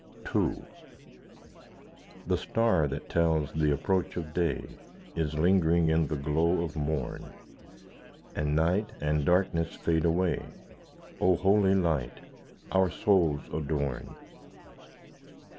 II The star that tells the approach of day Is lingering in the glow of morn, And night and darkness fade away— O Holy Light, our souls adorn!